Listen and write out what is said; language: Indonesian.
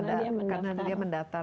lebih sah karena dia mendaftar